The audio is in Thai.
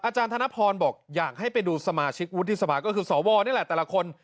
ธนพรบอกอยากให้ไปดูสมาชิกวุฒิสภาก็คือสวนี่แหละแต่ละคน